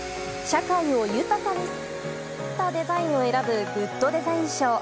社会を豊かにする優れたデザインを選ぶグッドデザイン賞。